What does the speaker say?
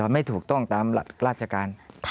ไม่ถูกต้องตามราชการ